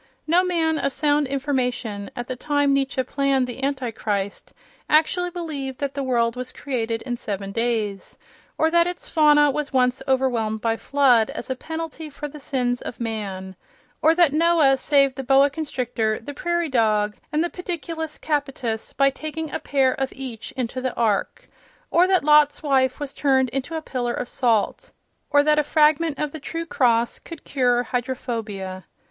No man of sound information, at the time Nietzsche planned "The Antichrist," actually believed that the world was created in seven days, or that its fauna was once overwhelmed by a flood as a penalty for the sins of man, or that Noah saved the boa constrictor, the prairie dog and the pediculus capitis by taking a pair of each into the ark, or that Lot's wife was turned into a pillar of salt, or that a fragment of the True Cross could cure hydrophobia.